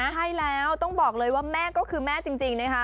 ใช่แล้วต้องบอกเลยว่าแม่ก็คือแม่จริงนะคะ